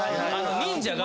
忍者が。